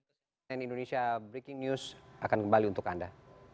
cnn indonesia breaking news akan kembali untuk anda